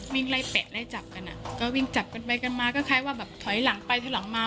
วิ่งไล่แปะไล่จับกันอ่ะก็วิ่งจับกันไปกันมาก็คล้ายว่าแบบถอยหลังไปถอยหลังมา